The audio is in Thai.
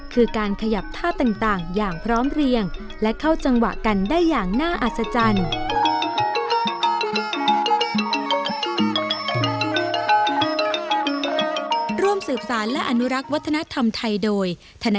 คือการขยับท่าต่างอย่างพร้อมเรียงและเข้าจังหวะกันได้อย่างน่าอัศจรรย์